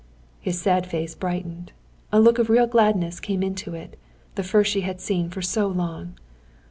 His sad face brightened. A look of real gladness came into it; the first she had seen for so long.